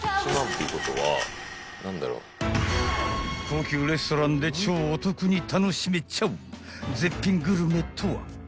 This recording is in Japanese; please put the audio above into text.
［高級レストランで超お得に楽しめちゃう絶品グルメとは！？］